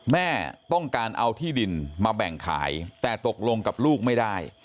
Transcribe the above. แม่ต้องการเอาที่ดินมาแบ่งขายแต่ตกลงกับลูกไม่ได้